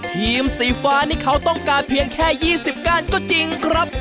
ทีมสีฟ้านี่เขาต้องการเพียงแค่๒๐ก้านก็จริงครับ